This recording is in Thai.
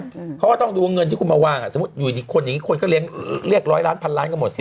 เพราะว่าต้องดูว่าเงินที่คุณมาวางสมมุติอยู่ที่คนอย่างนี้คนก็เรียกร้อยล้านพันล้านก็หมดสิ